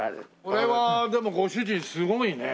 これはでもご主人すごいね。